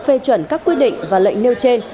phê chuẩn các quyết định và lệnh nêu trên